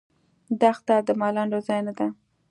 دښته د ملنډو ځای نه دی.